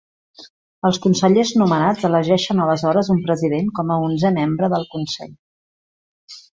Els consellers nomenats elegeixen aleshores un president com a onzè membre del Consell.